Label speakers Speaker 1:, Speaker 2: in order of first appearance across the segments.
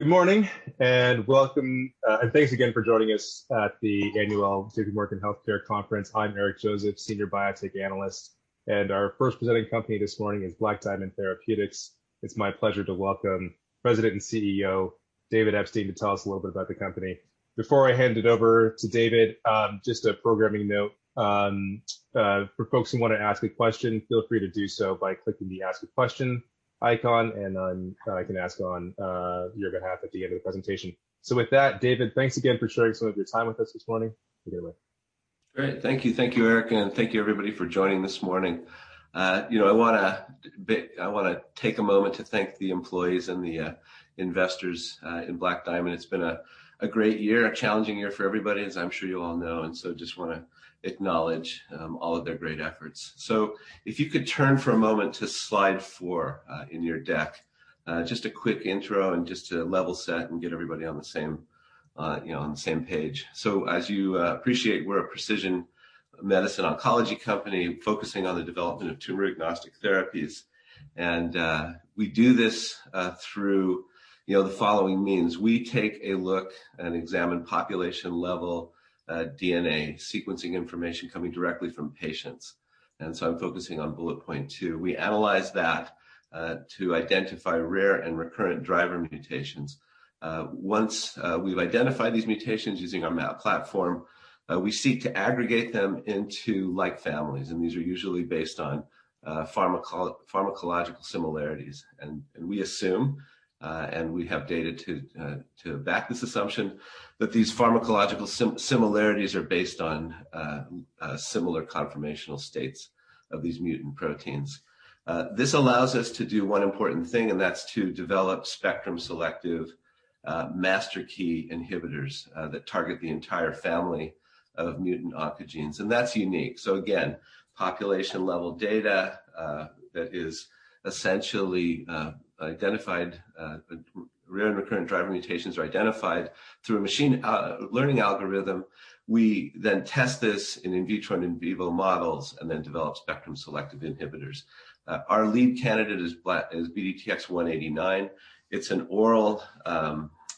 Speaker 1: Good morning, welcome. Thanks again for joining us at the Annual JPMorgan Healthcare Conference. I'm Eric Joseph, senior biotech analyst. Our first presenting company this morning is Black Diamond Therapeutics. It's my pleasure to welcome President and CEO, David Epstein, to tell us a little bit about the company. Before I hand it over to David, just a programming note. For folks who want to ask a question, feel free to do so by clicking the Ask a Question icon. I can ask on your behalf at the end of the presentation. With that, David, thanks again for sharing some of your time with us this morning. Take it away.
Speaker 2: Great. Thank you. Thank you, Eric, and thank you everybody for joining this morning. I want to take a moment to thank the employees and the investors in Black Diamond. It's been a great year, a challenging year for everybody, as I'm sure you all know, just want to acknowledge all of their great efforts. If you could turn for a moment to slide four in your deck, just a quick intro and just to level set and get everybody on the same page. As you appreciate, we're a precision medicine oncology company focusing on the development of tumor-agnostic therapies, and we do this through the following means. We take a look and examine population-level DNA sequencing information coming directly from patients. I'm focusing on bullet point two. We analyze that to identify rare and recurrent driver mutations. Once we've identified these mutations using our MAP platform, we seek to aggregate them into like families, and these are usually based on pharmacological similarities. We assume, and we have data to back this assumption, that these pharmacological similarities are based on similar conformational states of these mutant proteins. This allows us to do one important thing, and that's to develop spectrum selective master key inhibitors that target the entire family of mutant oncogenes, and that's unique. Again, population-level data that is essentially identified, rare and recurrent driver mutations are identified through a machine learning algorithm. We then test this in in vitro and in vivo models, and then develop spectrum selective inhibitors. Our lead candidate is BDTX-189. It's an oral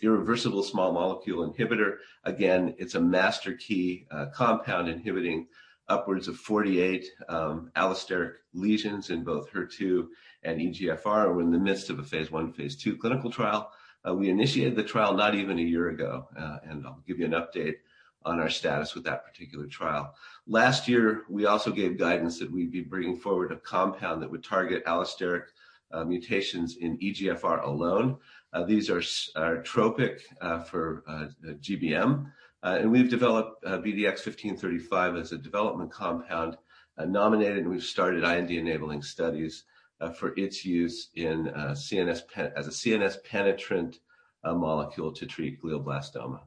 Speaker 2: irreversible small molecule inhibitor. Again, it's a master key compound inhibiting upwards of 48 allosteric lesions in both HER2 and EGFR. We're in the midst of a phase I, phase II clinical trial. We initiated the trial not even a year ago, and I'll give you an update on our status with that particular trial. Last year, we also gave guidance that we'd be bringing forward a compound that would target allosteric mutations in EGFR alone. These are tropic for GBM. We've developed BDTX-1535 as a development compound, nominated, and we've started IND-enabling studies for its use as a CNS penetrant molecule to treat glioblastoma.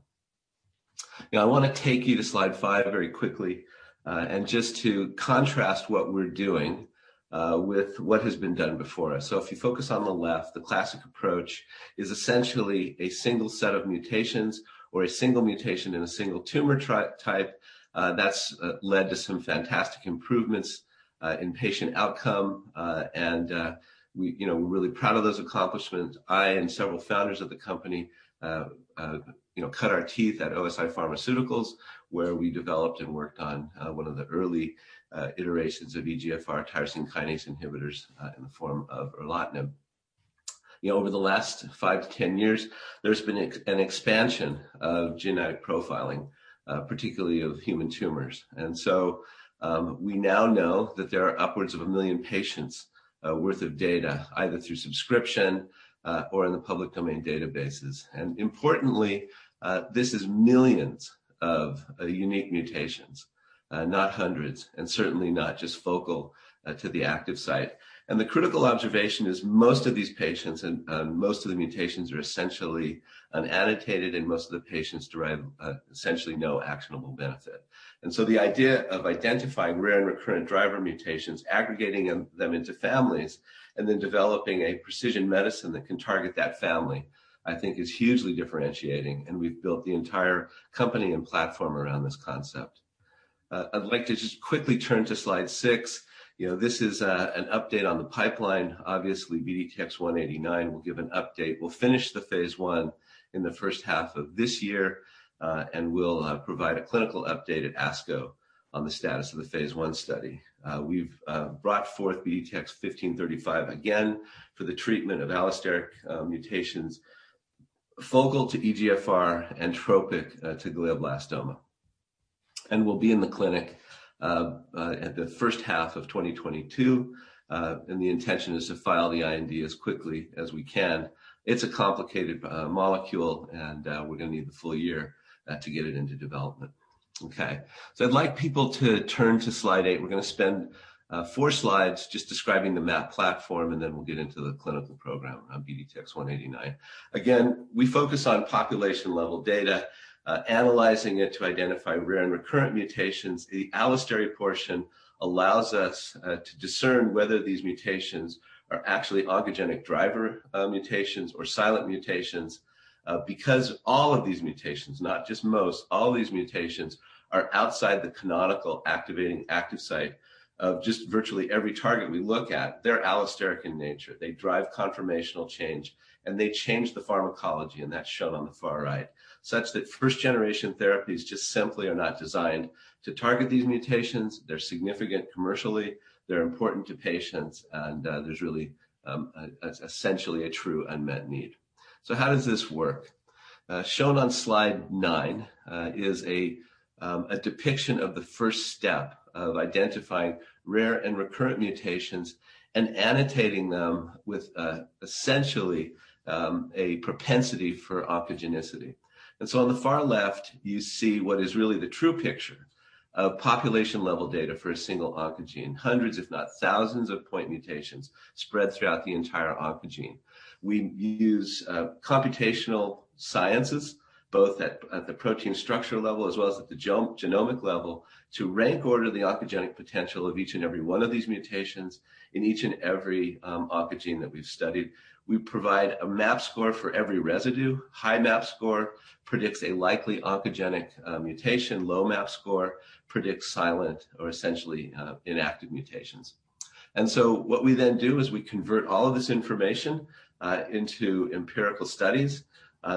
Speaker 2: Now, I want to take you to slide five very quickly, and just to contrast what we're doing with what has been done before us. If you focus on the left, the classic approach is essentially a single set of mutations or a single mutation in a single tumor type. That's led to some fantastic improvements in patient outcome. We're really proud of those accomplishments. I and several founders of the company cut our teeth at OSI Pharmaceuticals, where we developed and worked on one of the early iterations of EGFR tyrosine kinase inhibitors in the form of erlotinib. Over the last 5-10 years, there's been an expansion of genetic profiling, particularly of human tumors. We now know that there are upwards of a million patients' worth of data, either through subscription or in the public domain databases. Importantly, this is millions of unique mutations, not hundreds, and certainly not just focal to the active site. The critical observation is most of these patients and most of the mutations are essentially unannotated, and most of the patients derive essentially no actionable benefit. The idea of identifying rare and recurrent driver mutations, aggregating them into families, and then developing a precision medicine that can target that family, I think is hugely differentiating, and we've built the entire company and platform around this concept. I'd like to just quickly turn to slide six. This is an update on the pipeline. Obviously, BDTX-189, we'll give an update. We'll finish the phase I in the first half of this year, and we'll provide a clinical update at ASCO on the status of the phase I study. We've brought forth BDTX-1535 again for the treatment of allosteric mutations, focal to EGFR and tropic to glioblastoma, and we'll be in the clinic at the first half of 2022. The intention is to file the IND as quickly as we can. It's a complicated molecule, and we're going to need the full year to get it into development. Okay. I'd like people to turn to slide eight. We're going to spend four slides just describing the MAP platform, and then we'll get into the clinical program on BDTX-189. Again, we focus on population-level data, analyzing it to identify rare and recurrent mutations. The allostery portion allows us to discern whether these mutations are actually oncogenic driver mutations or silent mutations, because all of these mutations, not just most, all of these mutations are outside the canonical activating active site of just virtually every target we look at. They're allosteric in nature. They drive conformational change, and they change the pharmacology, and that's shown on the far right, such that first-generation therapies just simply are not designed to target these mutations. They're significant commercially. They're important to patients, and there's really essentially a true unmet need. How does this work? Shown on slide nine is a depiction of the first step of identifying rare and recurrent mutations and annotating them with essentially a propensity for oncogenicity. On the far left, you see what is really the true picture of population level data for a single oncogene. Hundreds, if not thousands of point mutations spread throughout the entire oncogene. We use computational sciences both at the protein structure level as well as at the genomic level to rank order the oncogenic potential of each and every one of these mutations in each and every oncogene that we've studied. We provide a MAP score for every residue. High MAP score predicts a likely oncogenic mutation, low MAP score predicts silent or essentially inactive mutations. What we then do is we convert all of this information into empirical studies.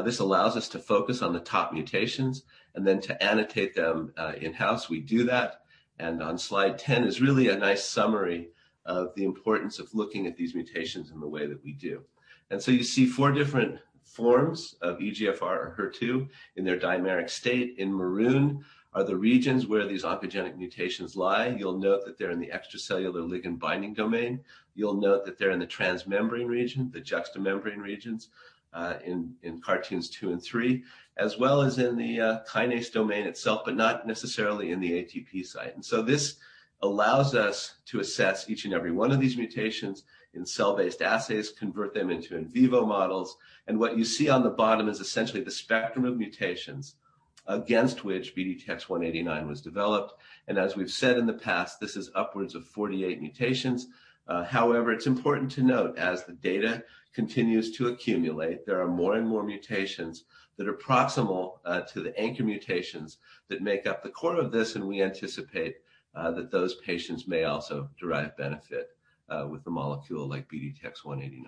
Speaker 2: This allows us to focus on the top mutations and then to annotate them in-house. We do that, on slide 10 is really a nice summary of the importance of looking at these mutations in the way that we do. You see four different forms of EGFR or HER2 in their dimeric state. In maroon are the regions where these oncogenic mutations lie. You'll note that they're in the extracellular ligand binding domain. You'll note that they're in the transmembrane region, the juxtamembrane regions, in cartoons two and three, as well as in the kinase domain itself, but not necessarily in the ATP site. This allows us to assess each and every one of these mutations in cell-based assays, convert them into in vivo models. What you see on the bottom is essentially the spectrum of mutations against which BDTX-189 was developed. As we've said in the past, this is upwards of 48 mutations. However, it's important to note as the data continues to accumulate, there are more and more mutations that are proximal to the anchor mutations that make up the core of this. We anticipate that those patients may also derive benefit with a molecule like BDTX-189.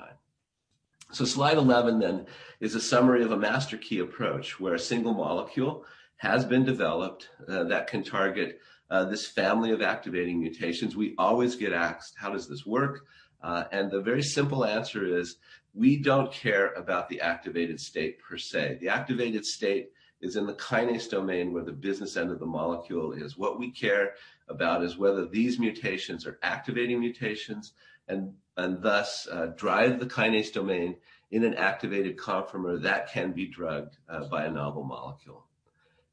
Speaker 2: Slide 11 then is a summary of a MasterKey approach, where a single molecule has been developed that can target this family of activating mutations. We always get asked, how does this work? The very simple answer is we don't care about the activated state per se. The activated state is in the kinase domain where the business end of the molecule is. What we care about is whether these mutations are activating mutations and thus drive the kinase domain in an activated conformer that can be drugged by a novel molecule.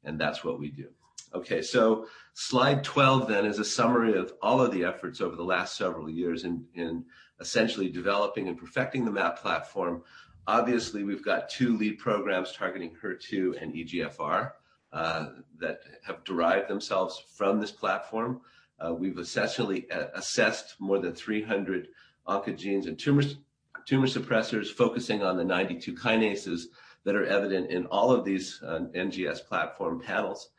Speaker 2: That's what we do. Slide 12 then is a summary of all of the efforts over the last several years in essentially developing and perfecting the MAP platform. Obviously, we've got two lead programs targeting HER2 and EGFR that have derived themselves from this platform. We've assessed more than 300 oncogenes and tumor suppressors, focusing on the 92 kinases that are evident in all of these NGS platform panels.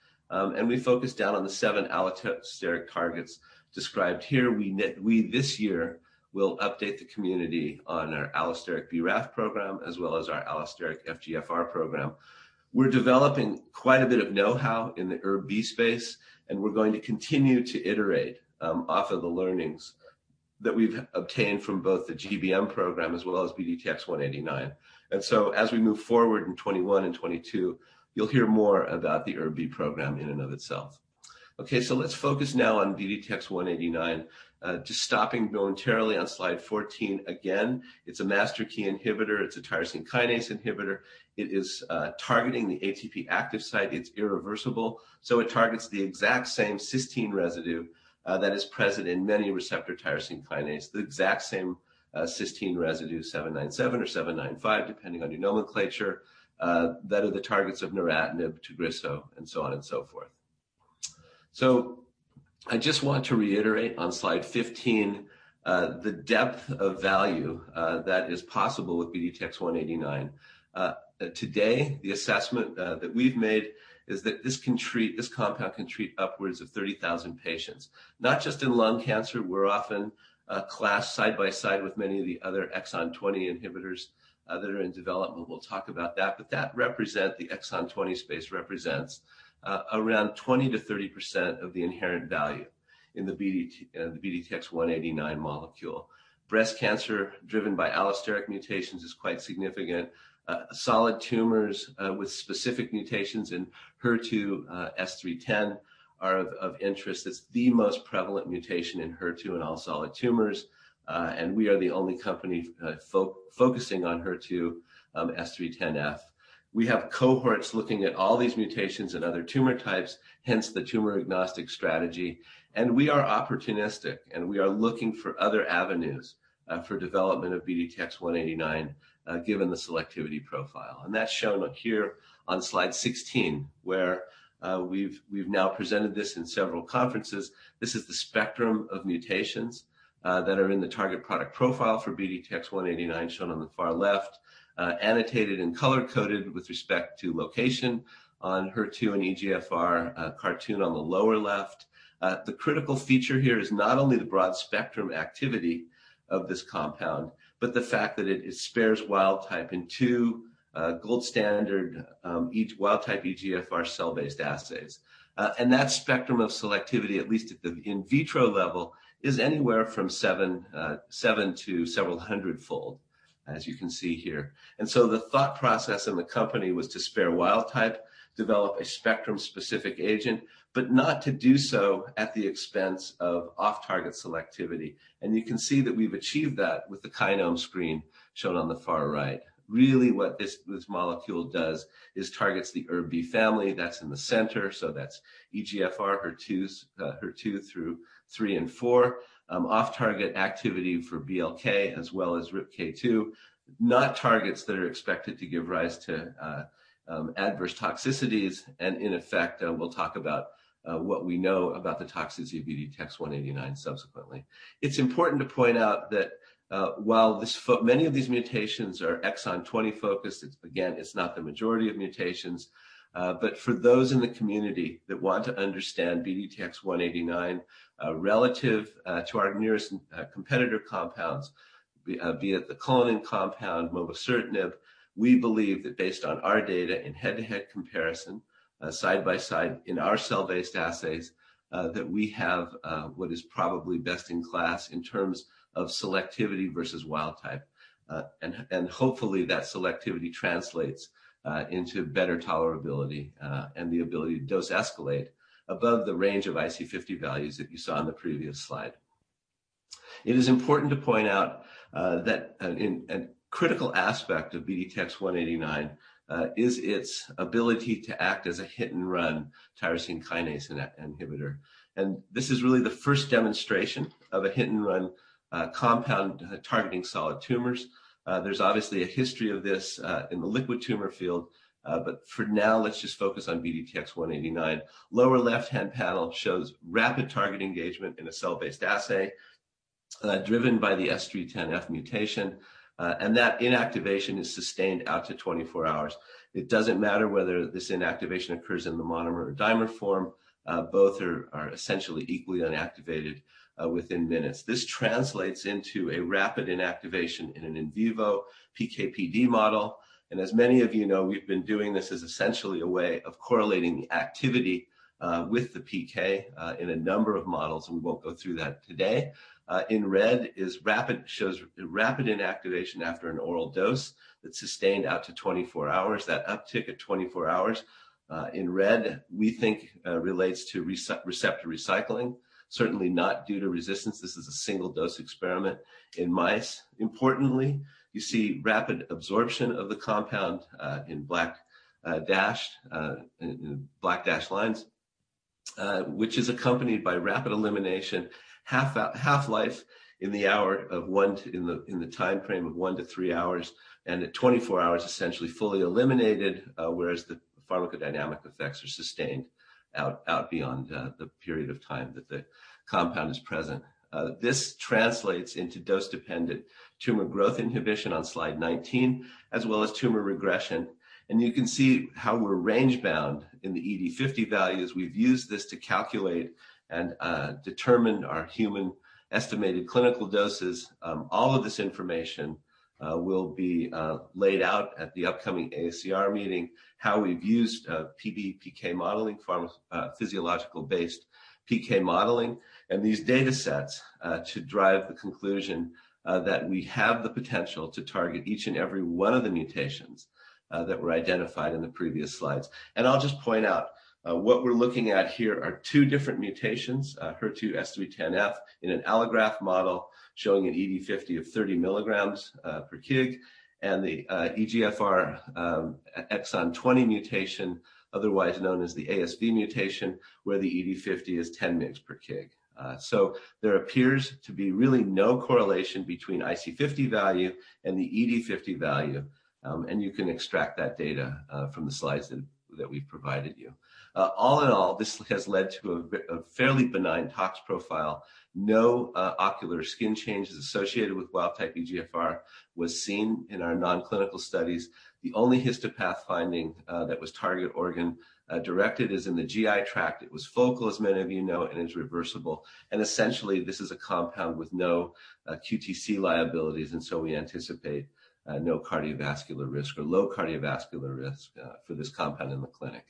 Speaker 2: We focus down on the seven allosteric targets described here. We, this year, will update the community on our allosteric BRAF program, as well as our Allo-FGFR program. We're developing quite a bit of know-how in the ErbB space, and we're going to continue to iterate off of the learnings that we've obtained from both the GBM program as well as BDTX-189. As we move forward in 2021 and 2022, you'll hear more about the ErbB program in and of itself. Okay, let's focus now on BDTX-189. Just stopping voluntarily on slide 14. Again, it's a MasterKey inhibitor. It's a tyrosine kinase inhibitor. It is targeting the ATP active site. It's irreversible, so it targets the exact same cysteine residue that is present in many receptor tyrosine kinase. The exact same cysteine residue, 797 or 795, depending on your nomenclature, that are the targets of neratinib, TAGRISSO, and so on and so forth. I just want to reiterate on slide 15, the depth of value that is possible with BDTX-189. Today, the assessment that we've made is that this compound can treat upwards of 30,000 patients. Not just in lung cancer. We're often classed side by side with many of the other exon 20 inhibitors that are in development. We'll talk about that. The exon 20 space represents around 20%-30% of the inherent value in the BDTX-189 molecule. Breast cancer driven by allosteric mutations is quite significant. Solid tumors with specific mutations in HER2 S310 are of interest. It's the most prevalent mutation in HER2 and all solid tumors. We are the only company focusing on HER2 S310F. We have cohorts looking at all these mutations and other tumor types, hence the tumor agnostic strategy. We are opportunistic, and we are looking for other avenues for development of BDTX-189 given the selectivity profile. That's shown here on slide 16, where we've now presented this in several conferences. This is the spectrum of mutations that are in the target product profile for BDTX-189 shown on the far left, annotated and color-coded with respect to location on HER2 and EGFR cartoon on the lower left. The critical feature here is not only the broad-spectrum activity of this compound, but the fact that it spares wild-type in two gold standard wild-type EGFR cell-based assays. That spectrum of selectivity, at least at the in vitro level, is anywhere from seven to several hundredfold, as you can see here. The thought process in the company was to spare wild-type, develop a spectrum-specific agent, but not to do so at the expense of off-target selectivity. You can see that we've achieved that with the kinome screen shown on the far right. Really what this molecule does is targets the ErbB family that's in the center, so that's EGFR, HER2 through three and four. Off-target activity for BLK as well as RIPK2, not targets that are expected to give rise to adverse toxicities. In effect, we'll talk about what we know about the toxicity of BDTX-189 subsequently. It's important to point out that while many of these mutations are exon 20 focused, again, it's not the majority of mutations. For those in the community that want to understand BDTX-189 relative to our nearest competitor compounds, be it the Cullinan compound mobocertinib, we believe that based on our data in head-to-head comparison, side by side in our cell-based assays, that we have what is probably best in class in terms of selectivity versus wild type. Hopefully, that selectivity translates into better tolerability, and the ability to dose escalate above the range of IC50 values that you saw in the previous slide. It is important to point out that a critical aspect of BDTX-189 is its ability to act as a hit-and-run tyrosine kinase inhibitor. This is really the first demonstration of a hit-and-run compound targeting solid tumors. There's obviously a history of this in the liquid tumor field. For now, let's just focus on BDTX-189. Lower left-hand panel shows rapid target engagement in a cell-based assay driven by the S310F mutation, and that inactivation is sustained out to 24 hours. It doesn't matter whether this inactivation occurs in the monomer or dimer form. Both are essentially equally inactivated within minutes. This translates into a rapid inactivation in an in vivo PK/PD model. As many of you know, we've been doing this as essentially a way of correlating the activity with the PK, in a number of models, and we won't go through that today. In red shows rapid inactivation after an oral dose that's sustained out to 24 hours. That uptick at 24 hours in red, we think relates to receptor recycling, certainly not due to resistance. This is a single-dose experiment in mice. Importantly, you see rapid absorption of the compound in black dashed lines, which is accompanied by rapid elimination, half-life in the timeframe of one to three hours, and at 24 hours, essentially fully eliminated, whereas the pharmacodynamic effects are sustained out beyond the period of time that the compound is present. This translates into dose-dependent tumor growth inhibition on slide 19, as well as tumor regression. You can see how we're range-bound in the ED50 values. We've used this to calculate and determine our human estimated clinical doses. All of this information will be laid out at the upcoming AACR meeting, how we've used PD/PK modeling, physiological-based PK modeling, and these datasets to drive the conclusion that we have the potential to target each and every one of the mutations that were identified in the previous slides. I'll just point out, what we're looking at here are two different mutations. HER2 S310F in an allograft model showing an ED50 of 30 mg/kg, and the EGFR exon 20 mutation, otherwise known as the ASV mutation, where the ED50 is 10 mg/kg. There appears to be really no correlation between IC50 value and the ED50 value. You can extract that data from the slides that we've provided you. All in all, this has led to a fairly benign tox profile. No ocular skin changes associated with wild-type EGFR was seen in our non-clinical studies. The only histopath finding that was target organ-directed is in the GI tract. It was focal, as many of you know, and is reversible. Essentially, this is a compound with no QTc liabilities, and so we anticipate no cardiovascular risk or low cardiovascular risk for this compound in the clinic.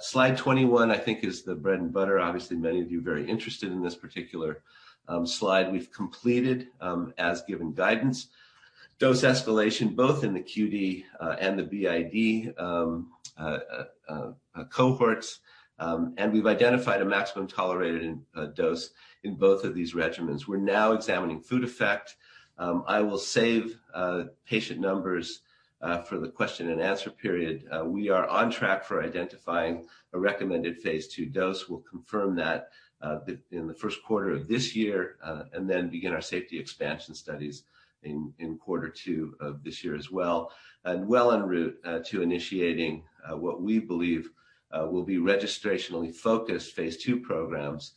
Speaker 2: Slide 21, I think is the bread and butter. Obviously, many of you are very interested in this particular slide. We've completed, as given guidance, dose escalation, both in the QD and the BID cohorts. We've identified a maximum tolerated dose in both of these regimens. We're now examining food effect. I will save patient numbers for the question-and-answer period. We are on track for identifying a recommended phase II dose. We'll confirm that in the first quarter of this year, and then begin our safety expansion studies in quarter two of this year as well. Well en route to initiating what we believe will be registrationally focused phase II programs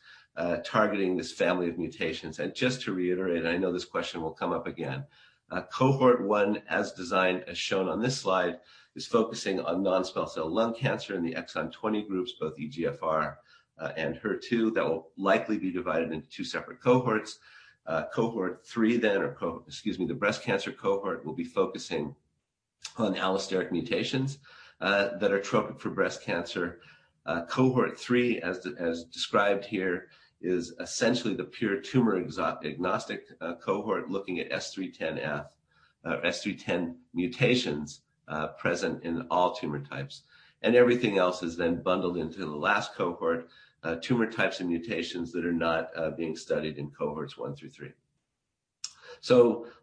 Speaker 2: targeting this family of mutations. Just to reiterate, I know this question will come up again. Cohort 1 as designed, as shown on this slide, is focusing on non-small cell lung cancer in the exon 20 groups, both EGFR and HER2. That will likely be divided into two separate cohorts. Cohort 3 then, the breast cancer cohort will be focusing on allosteric mutations that are tropic for breast cancer. Cohort 3, as described here, is essentially the pure tumor-agnostic cohort looking at S310F or S310 mutations present in all tumor types. Everything else is then bundled into the last cohort, tumor types and mutations that are not being studied in cohorts one through three.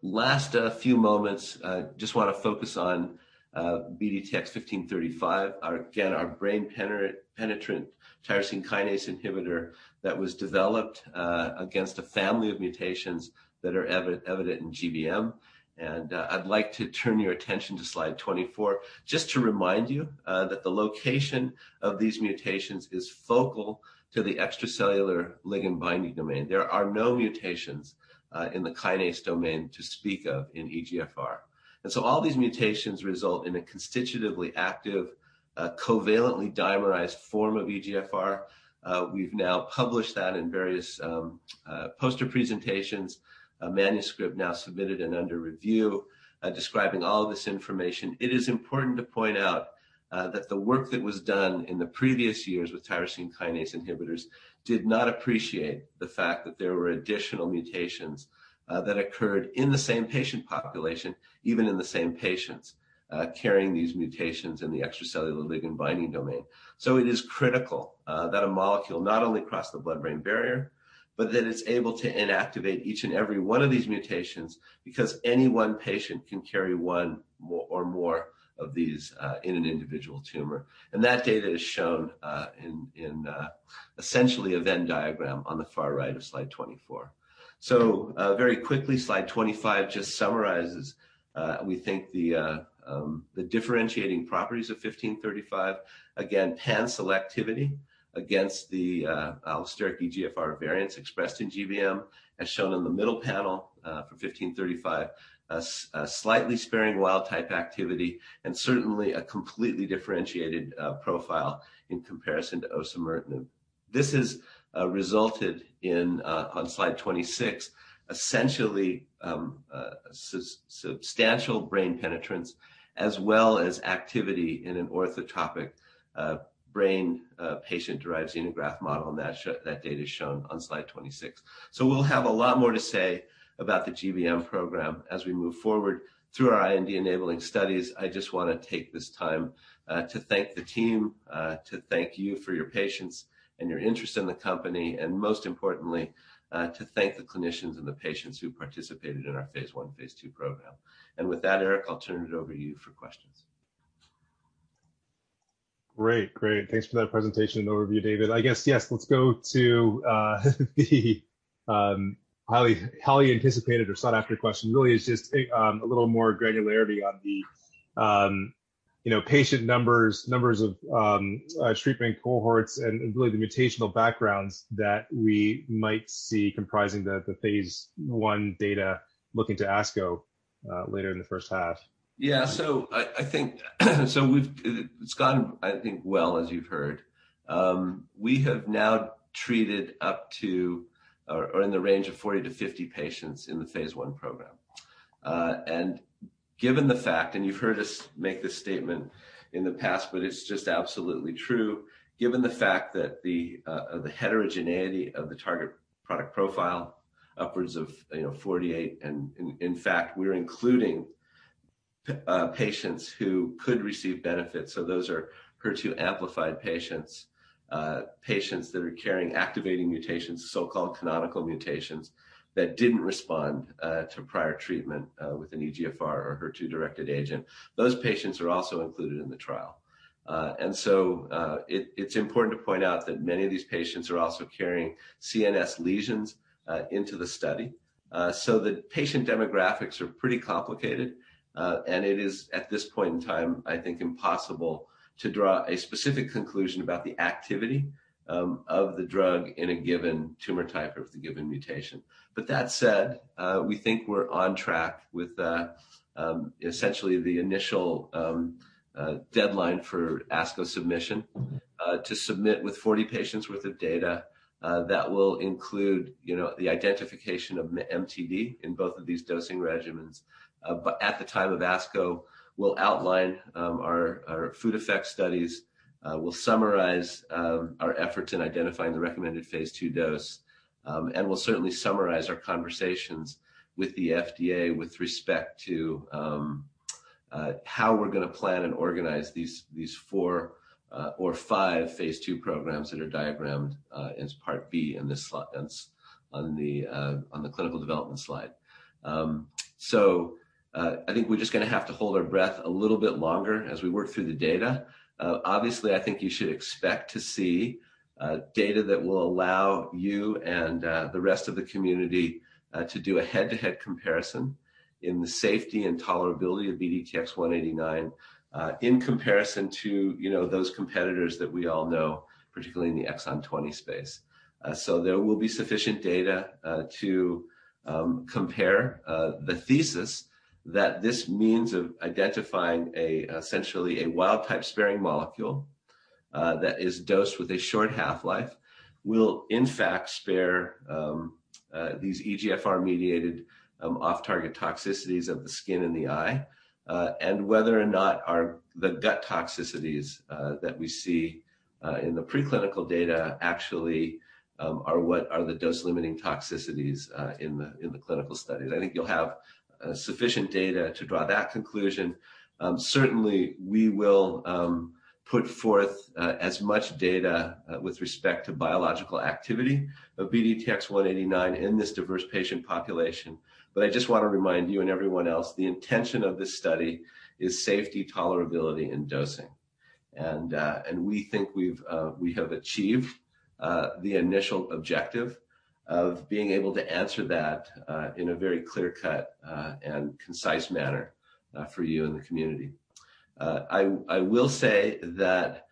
Speaker 2: Last few moments, just want to focus on BDTX-1535, again, our brain-penetrant tyrosine kinase inhibitor that was developed against a family of mutations that are evident in GBM. I'd like to turn your attention to slide 24, just to remind you that the location of these mutations is focal to the extracellular ligand binding domain. There are no mutations in the kinase domain to speak of in EGFR. All these mutations result in a constitutively active, covalently dimerized form of EGFR. We've now published that in various poster presentations, a manuscript now submitted and under review describing all of this information. It is important to point out that the work that was done in the previous years with tyrosine kinase inhibitors did not appreciate the fact that there were additional mutations that occurred in the same patient population, even in the same patients carrying these mutations in the extracellular ligand binding domain. It is critical that a molecule not only cross the blood-brain barrier, but that it's able to inactivate each and every one of these mutations, because any one patient can carry one or more of these in an individual tumor. That data is shown in essentially a Venn diagram on the far right of slide 24. Very quickly, slide 25 just summarizes, we think, the differentiating properties of 1535. Again, pan-selectivity against the allosteric EGFR variants expressed in GBM, as shown in the middle panel for 1535. A slightly sparing wild-type activity and certainly a completely differentiated profile in comparison to osimertinib. This has resulted in, on slide 26, essentially substantial brain penetrance as well as activity in an orthotopic brain patient-derived xenograft model, and that data is shown on slide 26. We'll have a lot more to say about the GBM program as we move forward through our IND-enabling studies. I just want to take this time to thank the team, to thank you for your patience and your interest in the company, and most importantly, to thank the clinicians and the patients who participated in our phase I, phase II program. With that, Eric, I'll turn it over to you for questions.
Speaker 1: Great. Thanks for that presentation and overview, David. I guess, yes, let's go to the highly anticipated or sought-after question, really is just a little more granularity on the patient numbers of treatment cohorts, and really the mutational backgrounds that we might see comprising the phase I data looking to ASCO later in the first half.
Speaker 2: Yeah. I think it's gone, I think, well, as you've heard. We have now treated up to, or in the range of 40-50 patients in the phase I program. Given the fact, and you've heard us make this statement in the past, but it's just absolutely true, given the fact that the heterogeneity of the target product profile, upwards of 48, and in fact, we're including patients who could receive benefits. Those are HER2-amplified patients that are carrying activating mutations, so-called canonical mutations, that didn't respond to prior treatment with an EGFR or HER2-directed agent. Those patients are also included in the trial. It's important to point out that many of these patients are also carrying CNS lesions into the study. The patient demographics are pretty complicated. It is, at this point in time, I think, impossible to draw a specific conclusion about the activity of the drug in a given tumor type or with a given mutation. That said, we think we're on track with essentially the initial deadline for ASCO submission, to submit with 40 patients worth of data. That will include the identification of MTD in both of these dosing regimens. At the time of ASCO, we'll outline our food effect studies, we'll summarize our efforts in identifying the recommended phase II dose, and we'll certainly summarize our conversations with the FDA with respect to how we're going to plan and organize these four or five phase II programs that are diagrammed as part B on the clinical development slide. I think we're just going to have to hold our breath a little bit longer as we work through the data. Obviously, I think you should expect to see data that will allow you and the rest of the community to do a head-to-head comparison in the safety and tolerability of BDTX-189, in comparison to those competitors that we all know, particularly in the exon 20 space. There will be sufficient data to compare the thesis that this means of identifying essentially a wild-type sparing molecule that is dosed with a short half-life will in fact spare these EGFR-mediated off-target toxicities of the skin and the eye, and whether or not the gut toxicities that we see in the preclinical data actually are what are the dose-limiting toxicities in the clinical studies. I think you'll have sufficient data to draw that conclusion. Certainly, we will put forth as much data with respect to biological activity of BDTX-189 in this diverse patient population. I just want to remind you and everyone else, the intention of this study is safety, tolerability, and dosing. We think we have achieved the initial objective of being able to answer that in a very clear-cut and concise manner for you and the community. I will say that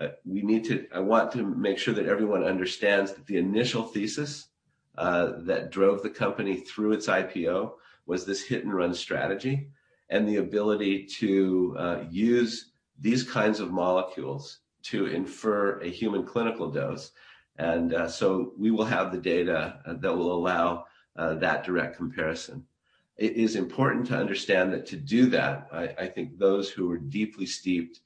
Speaker 2: I want to make sure that everyone understands that the initial thesis that drove the company through its IPO was this hit-and-run strategy, and the ability to use these kinds of molecules to infer a human clinical dose. We will have the data that will allow that direct comparison. It is important to understand that to do that, I think those who are deeply steeped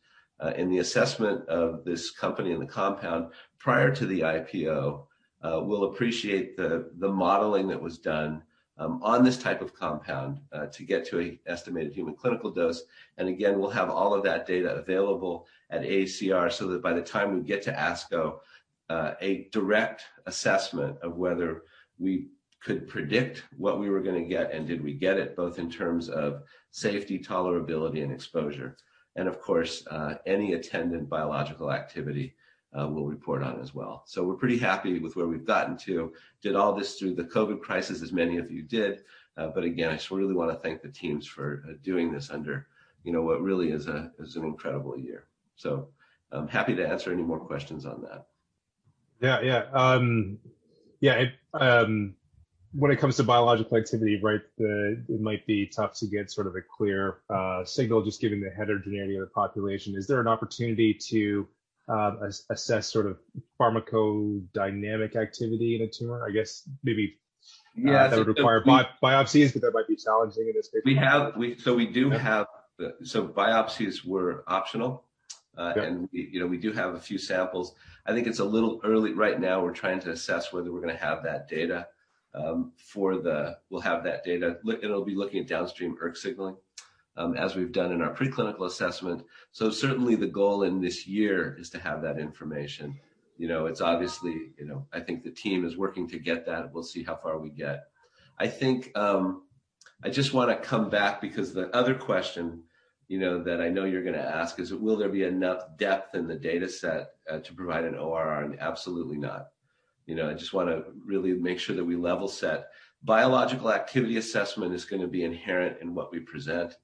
Speaker 2: in the assessment of this company and the compound prior to the IPO will appreciate the modeling that was done on this type of compound to get to a estimated human clinical dose. Again, we'll have all of that data available at AACR, so that by the time we get to ASCO, a direct assessment of whether we could predict what we were going to get and did we get it, both in terms of safety, tolerability, and exposure. Of course, any attendant biological activity we'll report on as well. We're pretty happy with where we've gotten to. Did all this through the COVID crisis, as many of you did. Again, I just really want to thank the teams for doing this under what really is an incredible year. I'm happy to answer any more questions on that.
Speaker 1: Yeah. When it comes to biological activity, right, it might be tough to get sort of a clear signal just given the heterogeneity of the population. Is there an opportunity to assess pharmacodynamic activity in a tumor?
Speaker 2: Yeah
Speaker 1: that would require biopsies, but that might be challenging in this patient population.
Speaker 2: Biopsies were optional.
Speaker 1: Okay.
Speaker 2: We do have a few samples. I think it's a little early right now. We're trying to assess whether we'll have that data. It'll be looking at downstream ERK signaling, as we've done in our preclinical assessment. Certainly the goal in this year is to have that information. I think the team is working to get that. We'll see how far we get. I just want to come back because the other question that I know you're going to ask is, will there be enough depth in the dataset to provide an ORR? Absolutely not. I just want to really make sure that we level set. Biological activity assessment is going to be inherent in what we present.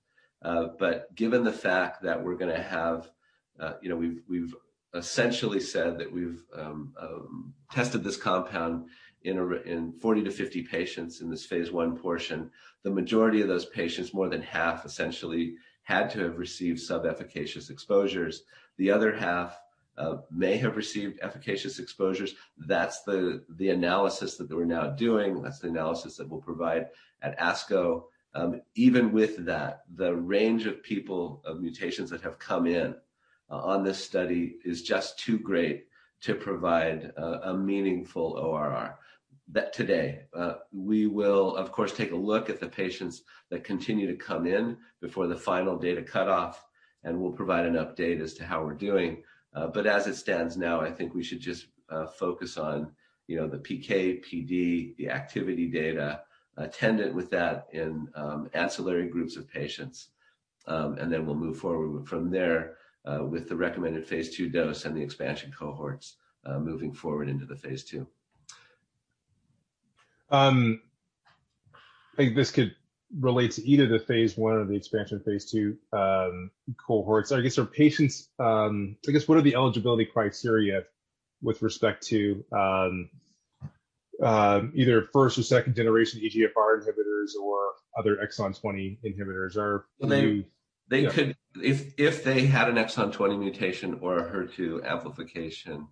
Speaker 2: Given the fact that we've essentially said that we've tested this compound in 40-50 patients in this phase I portion, the majority of those patients, more than half, essentially, had to have received sub-efficacious exposures. The other half may have received efficacious exposures. That's the analysis that we're now doing. That's the analysis that we'll provide at ASCO. Even with that, the range of people, of mutations that have come in on this study is just too great to provide a meaningful ORR today. We will, of course, take a look at the patients that continue to come in before the final data cutoff, and we'll provide an update as to how we're doing. As it stands now, I think we should just focus on the PK/PD, the activity data attendant with that in ancillary groups of patients. We'll move forward from there with the recommended phase II dose and the expansion cohorts moving forward into the phase II.
Speaker 1: I think this could relate to either the phase I or the expansion phase II cohorts. I guess, what are the eligibility criteria with respect to either first or second-generation EGFR inhibitors or other exon 20 inhibitors?
Speaker 2: If they had an exon 20 mutation or a HER2 amplification,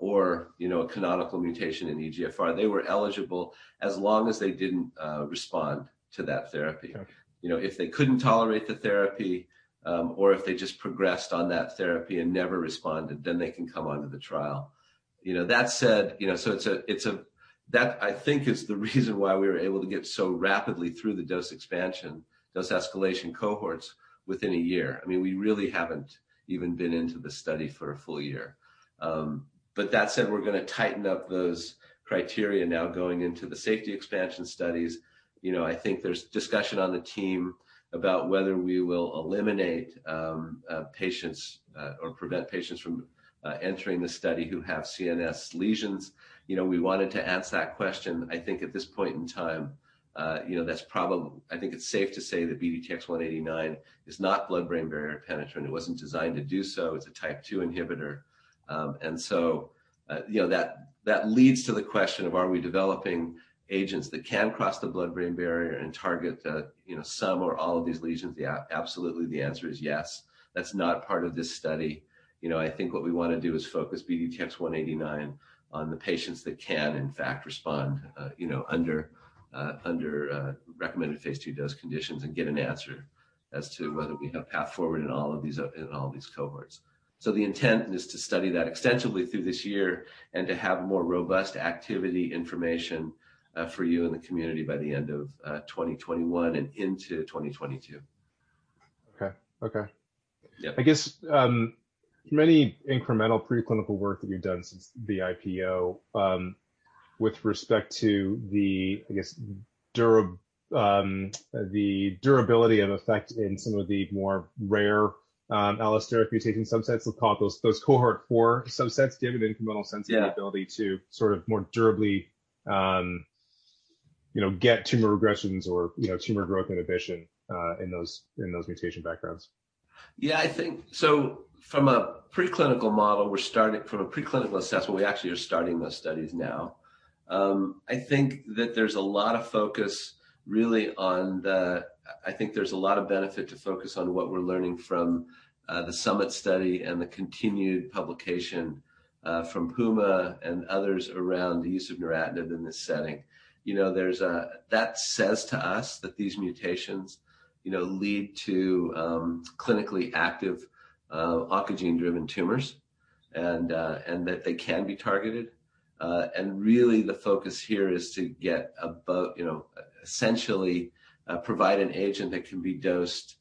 Speaker 2: or a canonical mutation in EGFR, they were eligible as long as they didn't respond to that therapy.
Speaker 1: Okay.
Speaker 2: If they couldn't tolerate the therapy, or if they just progressed on that therapy and never responded, then they can come onto the trial. That, I think, is the reason why we were able to get so rapidly through the dose expansion, dose escalation cohorts within a year. We really haven't even been into the study for a full year. That said, we're going to tighten up those criteria now going into the safety expansion studies. I think there's discussion on the team about whether we will eliminate patients or prevent patients from entering the study who have CNS lesions. We wanted to answer that question. I think at this point in time, I think it's safe to say that BDTX-189 is not blood-brain barrier penetrant. It wasn't designed to do so. It's a Type II inhibitor. That leads to the question of are we developing agents that can cross the blood-brain barrier and target some or all of these lesions? Yeah. Absolutely, the answer is yes. That's not part of this study. I think what we want to do is focus BDTX-189 on the patients that can, in fact, respond under recommended phase II dose conditions and get an answer as to whether we have path forward in all of these cohorts. The intent is to study that extensively through this year and to have more robust activity information for you and the community by the end of 2021 and into 2022.
Speaker 1: Okay.
Speaker 2: Yeah.
Speaker 1: I guess, many incremental preclinical work that you've done since the IPO with respect to the, I guess, durability of effect in some of the more rare allosteric mutation subsets, let's call it those Cohort 4 subsets, do you have an incremental sense?
Speaker 2: Yeah
Speaker 1: of the ability to more durably get tumor regressions or tumor growth inhibition in those mutation backgrounds?
Speaker 2: Yeah, I think from a preclinical assessment, we actually are starting those studies now. I think there's a lot of benefit to focus on what we're learning from the Summit study and the continued publication from Puma and others around the use of neratinib in this setting. That says to us that these mutations lead to clinically active oncogene-driven tumors, and that they can be targeted. Really the focus here is to essentially provide an agent that can be dosed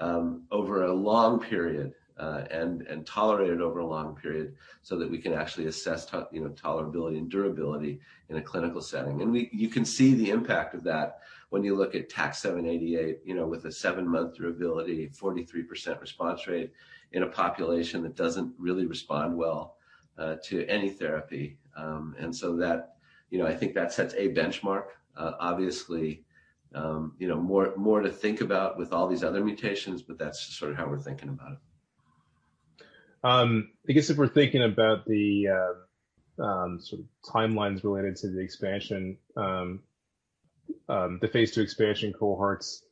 Speaker 2: over a long period, and tolerated over a long period, so that we can actually assess tolerability and durability in a clinical setting. You can see the impact of that when you look at TAK-788, with a seven-month durability, 43% response rate in a population that doesn't really respond well to any therapy. I think that sets a benchmark. Obviously, more to think about with all these other mutations, but that's sort of how we're thinking about it.
Speaker 1: I guess if we're thinking about the timelines related to the phase II expansion cohorts.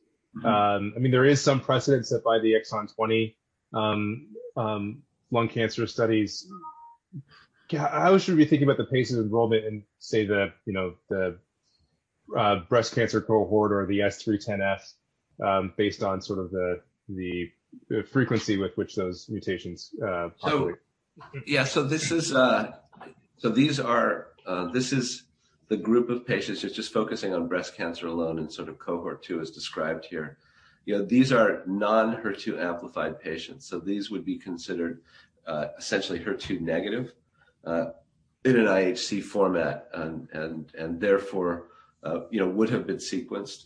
Speaker 1: there is some precedent that by the exon 20 lung cancer studies. How should we be thinking about the pace of enrollment in, say, the breast cancer cohort or the S310F, based on sort of the frequency with which those mutations populate?
Speaker 2: This is the group of patients, just focusing on breast cancer alone in sort of Cohort 2 as described here. These are non-HER2 amplified patients, so these would be considered essentially HER2 negative in an IHC format, and therefore would have been sequenced.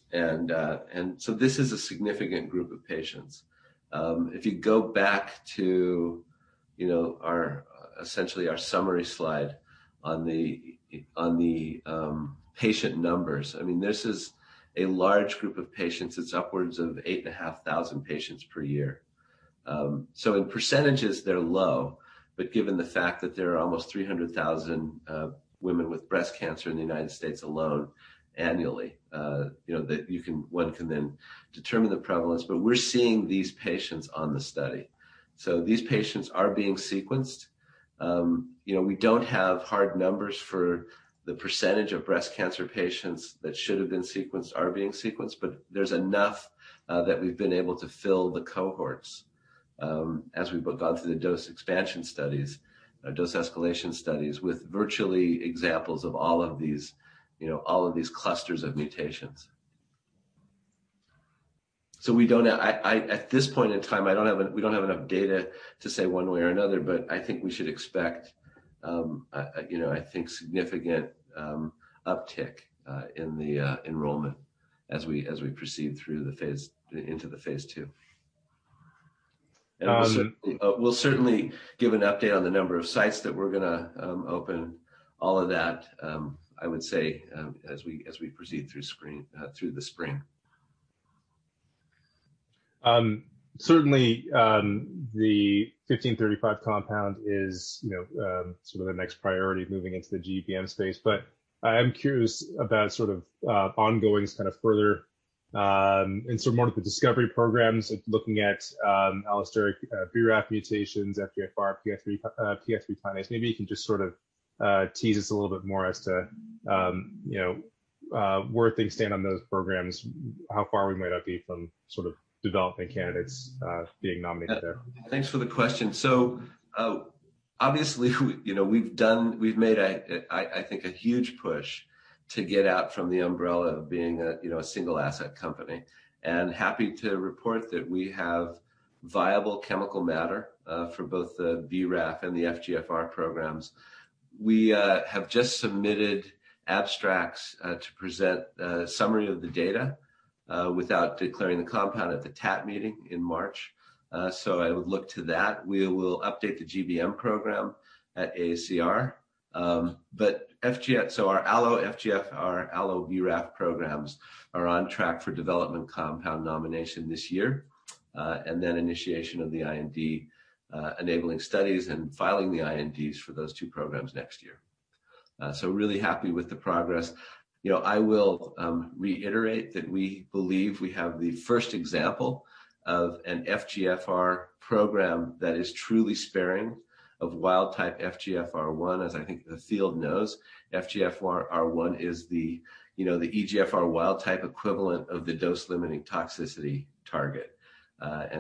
Speaker 2: This is a significant group of patients. If you go back to essentially our summary slide on the patient numbers, this is a large group of patients. It's upwards of 8,500 patients per year. In percentages they're low, but given the fact that there are almost 300,000 women with breast cancer in the United States alone annually, one can then determine the prevalence. We're seeing these patients on the study. These patients are being sequenced. We don't have hard numbers for the percentage of breast cancer patients that should've been sequenced are being sequenced, but there's enough that we've been able to fill the cohorts as we've gone through the dose expansion studies, dose escalation studies, with virtually examples of all of these clusters of mutations. At this point in time, we don't have enough data to say one way or another, but I think we should expect significant uptick in the enrollment as we proceed into the phase II.
Speaker 1: And-
Speaker 2: We'll certainly give an update on the number of sites that we're going to open all of that, I would say, as we proceed through the spring.
Speaker 1: Certainly, the BDTX-1535 compound is sort of the next priority moving into the GBM space, but I am curious about ongoings kind of further in sort of more of the discovery programs, looking at allosteric BRAF mutations, FGFR, PI3 kinase. Maybe you can just sort of tease us a little bit more as to where things stand on those programs, how far we might be from developing candidates being nominated there.
Speaker 2: Thanks for the question. Obviously, we've made, I think, a huge push to get out from the umbrella of being a single asset company. Happy to report that we have viable chemical matter for both the BRAF and the FGFR programs. We have just submitted abstracts to present a summary of the data without declaring the compound at the TAT meeting in March, so I would look to that. We will update the GBM program at AACR. Our Allo-FGFR, Allo-BRAF programs are on track for development compound nomination this year. Initiation of the IND enabling studies and filing the INDs for those two programs next year. Really happy with the progress. I will reiterate that we believe we have the first example of an FGFR program that is truly sparing of wild-type FGFR1. As I think the field knows, FGFR1 is the EGFR wild-type equivalent of the dose-limiting toxicity target.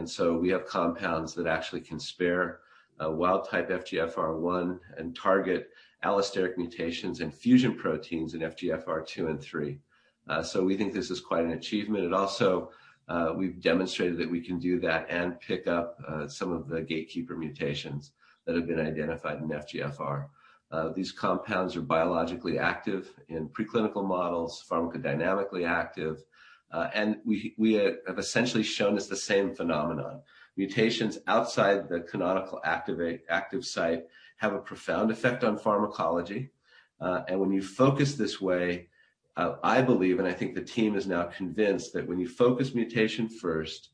Speaker 2: So we have compounds that actually can spare wild-type FGFR1 and target allosteric mutations and fusion proteins in FGFR2 and 3. Also, we've demonstrated that we can do that and pick up some of the gatekeeper mutations that have been identified in FGFR. These compounds are biologically active in preclinical models, pharmacodynamically active. We have essentially shown it's the same phenomenon. Mutations outside the canonical active site have a profound effect on pharmacology. When you focus this way, I believe, and I think the team is now convinced, that when you focus mutation first,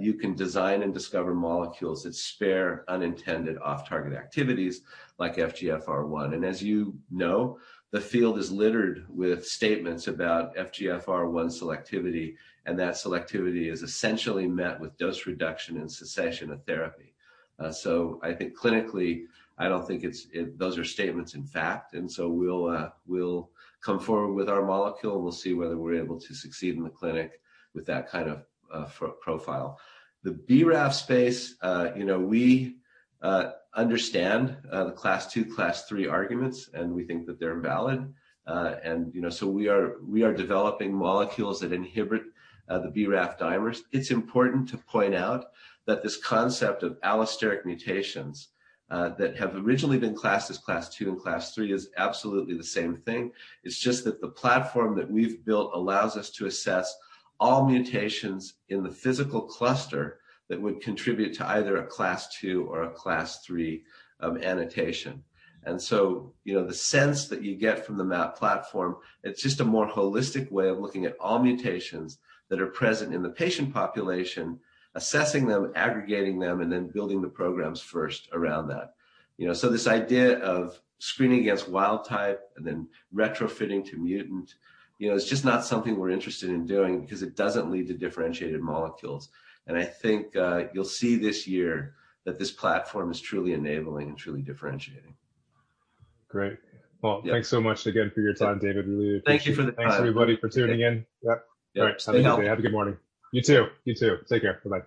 Speaker 2: you can design and discover molecules that spare unintended off-target activities like FGFR1. As you know, the field is littered with statements about FGFR1 selectivity, and that selectivity is essentially met with dose reduction and cessation of therapy. I think clinically, I don't think those are statements in fact, and so we'll come forward with our molecule, and we'll see whether we're able to succeed in the clinic with that kind of profile. The BRAF space, we understand the Class 2, Class 3 arguments, and we think that they're valid. We are developing molecules that inhibit the BRAF dimers. It's important to point out that this concept of allosteric mutations that have originally been classed as Class 2 and Class 3 is absolutely the same thing. It's just that the platform that we've built allows us to assess all mutations in the physical cluster that would contribute to either a Class 2 or a Class 3 annotation. The sense that you get from the MAP platform, it's just a more holistic way of looking at all mutations that are present in the patient population, assessing them, aggregating them, and then building the programs first around that. This idea of screening against wild type and then retrofitting to mutant, it's just not something we're interested in doing because it doesn't lead to differentiated molecules. I think you'll see this year that this platform is truly enabling and truly differentiating.
Speaker 1: Great. Thanks so much again for your time, David. We really appreciate it.
Speaker 2: Thank you for the time.
Speaker 1: Thanks, everybody, for tuning in. Yep.
Speaker 2: Yep.
Speaker 1: All right.
Speaker 2: Stay healthy.
Speaker 1: Have a good morning. You, too. You too. Take care. Bye-bye.